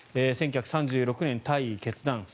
１９３６年、退位決断。